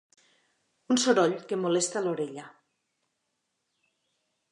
Un soroll que molesta l'orella.